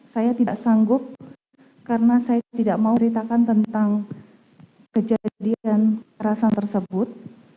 saya tidak sanggup karena saya tidak mau menceritakan tentang kejadian dan perasaan tersebut